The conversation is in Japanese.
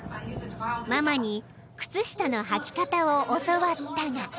［ママに靴下のはき方を教わったが］